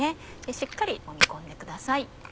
しっかりもみ込んでください。